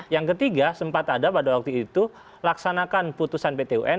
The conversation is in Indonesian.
yang ketiga sempat ada pada waktu itu laksanakan putusan pt un